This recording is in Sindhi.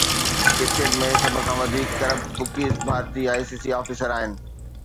ڪرڪيٽ ۾ سڀ کان وڌيڪ ڪرپٽ بکيز ڀارتي، آءِ سي سي آفيسر آهن